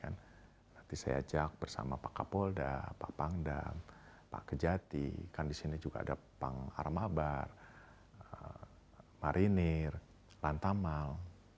nanti saya ajak bersama pak kapolda pak pangdam pak kejati kan di sini juga ada pang armabar marinir lantamal